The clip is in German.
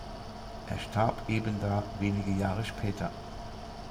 Er starb ebenda wenige Jahre später.